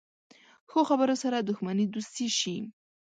ښو خبرو سره دښمني دوستي شي.